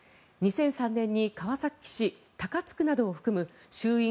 ２００３年に川崎市高津区などを含む衆院